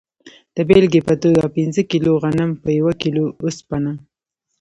د بیلګې په توګه پنځه کیلو غنم په یوه کیلو اوسپنه.